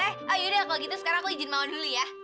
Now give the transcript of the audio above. eh oh yaudah kalau gitu sekarang aku izin mau dulu ya